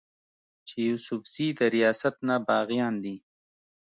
چې يوسفزي د رياست نه باغيان دي